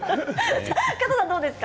加藤さんはどうですか？